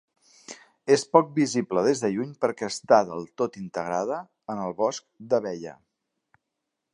És poc visible des de lluny perquè està del tot integrada en el Bosc d'Abella.